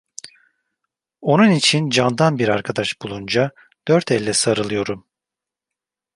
Onun için candan bir arkadaş bulunca dört elle sarılıyorum.